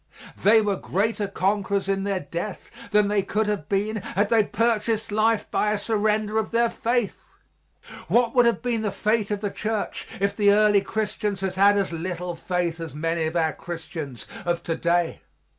They were greater conquerors in their death than they could have been had they purchased life by a surrender of their faith. What would have been the fate of the church if the early Christians had had as little faith as many of our Christians of to day?